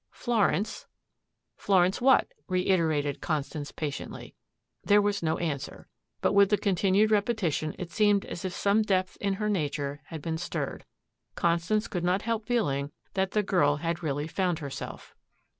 "Florence Florence what?" reiterated Constance patiently. There was no answer. But with the continued repetition it seemed as if some depth in her nature had been stirred. Constance could not help feeling that the girl had really found herself.